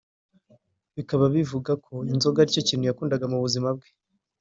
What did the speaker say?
bikaba bivugwa ko inzoga aricyo kintu yakundaga mu buzima bwe